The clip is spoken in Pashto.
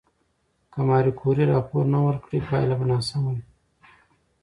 که ماري کوري راپور نه ورکړي، پایله به ناسم وي.